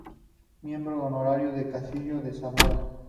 Miembro honorario del Casino de Zamora.